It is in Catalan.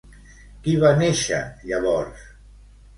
Qui va néixer llavors?